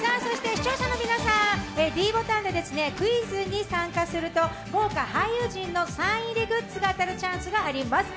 視聴者の皆さん、ｄボタンでクイズに参加すると豪華俳優陣のサイン入りグッズが当たるチャンスがあります。